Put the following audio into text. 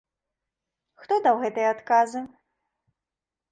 Хто даў гэтыя адказы?